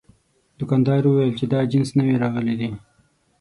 دوکاندار وویل چې دا جنس نوي راغلي دي.